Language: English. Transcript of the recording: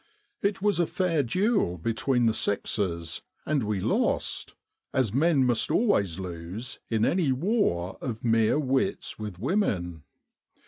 It was a fair duel between the sexes and we lost, as men must always lose in any war of mere wits with women.